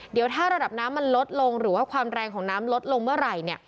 เดี๋ยวถ้าระดับน้ำมันลดลงหรือว่าความแรงของน้ำลดลงเมื่อไหร่